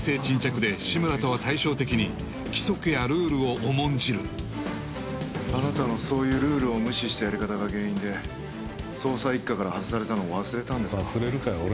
沈着で志村とは対照的に規則やルールを重んじるあなたのそういうルールを無視したやり方が原因で捜査一課から外されたのを忘れたんですか？